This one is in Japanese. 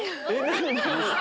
何？